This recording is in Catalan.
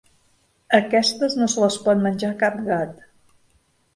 Aquestes no se les pot menjar cap gat!